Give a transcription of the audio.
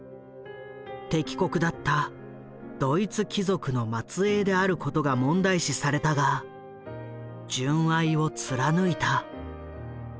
敵国だったドイツ貴族の末えいであることが問題視されたが純愛を貫いた。